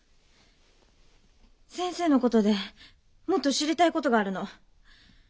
先生の事でもっと知りたい事があるの。